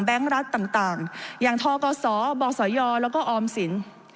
แบงค์รัฐต่างอย่างทกศบศยและกอสิน